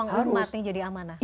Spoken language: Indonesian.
kan uang umat yang jadi amanah